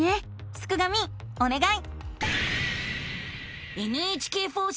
すくがミおねがい！